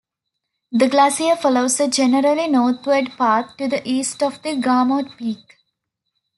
The glacier follows a generally northward path to the east of the Garmo Peak.